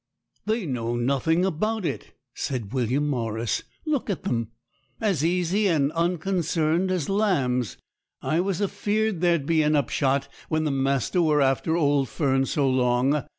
'They know nothing about it,' said William Morris; 'look at them, as easy and unconcerned as lambs. I was afeared there'd be a upshot, when the master were after old Fern so long.